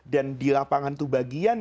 dan di lapangan itu bagian